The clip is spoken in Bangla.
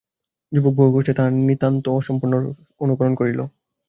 যুবক বহুকষ্টে তাহার নিতান্ত অসম্পূর্ণ অনুকরণ করিল।